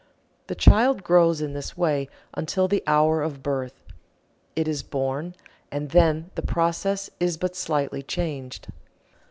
The child grows in this way until the hour of birth. It is born, and then the process is but slightly changed.